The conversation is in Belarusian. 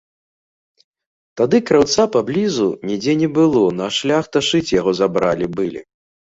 Тады краўца поблізу нідзе не было, на шляхта шыць яго забралі былі.